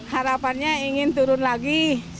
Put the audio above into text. harapannya ingin turun lagi